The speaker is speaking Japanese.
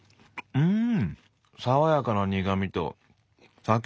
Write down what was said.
うん！